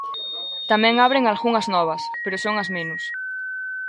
Tamén abren algunhas novas, pero son as menos.